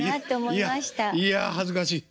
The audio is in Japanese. いやいや恥ずかしい。